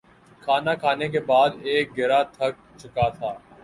کھانا کھانے کے بعد ایک گروہ تھک چکا تھا